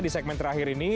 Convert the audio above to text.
di segmen terakhir ini